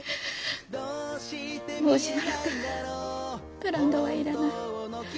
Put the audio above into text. もうしばらくブランドはいらない。